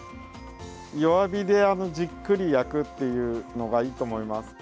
弱火でじっくり焼くというのがいいと思います。